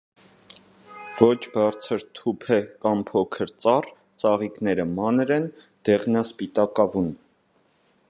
Ոչ բարձր թուփ է կամ փոքր ծառ, ծաղիկները մանր են, դեղնասպիտակավուն։